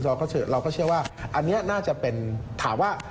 เราก็เชื่อว่าอันนี้น่าจะเป็นถามว่า